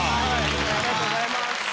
ありがとうございます。